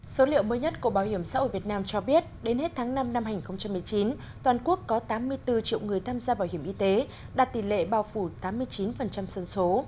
số liệu mới nhất của bảo hiểm xã hội việt nam cho biết đến hết tháng năm năm hai nghìn một mươi chín toàn quốc có tám mươi bốn triệu người tham gia bảo hiểm y tế đạt tỷ lệ bao phủ tám mươi chín dân số